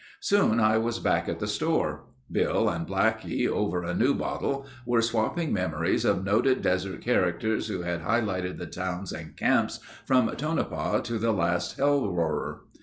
Soon I was back at the store. Bill and Blackie, over a new bottle were swapping memories of noted desert characters who had highlighted the towns and camps from Tonopah to the last hell roarer.